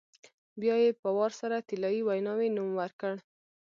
بیا یې په وار سره طلایي ویناوی نوم ورکړ.